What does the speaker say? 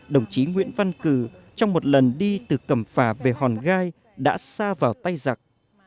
đồng chí nguyễn văn cừ trong một lần đi từ cầm phà về hòn gai đã sa vào tay giặc